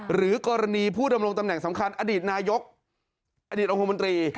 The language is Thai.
หรือกรณีผู้ดำรงตำแหน่งสำคัญอดีตนายกอดีตองคมนตรี